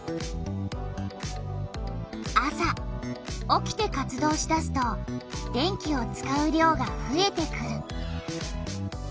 朝起きて活動しだすと電気を使う量がふえてくる。